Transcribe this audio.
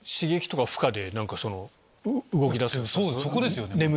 そこですよね。